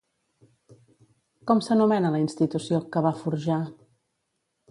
Com s'anomena la institució que va forjar?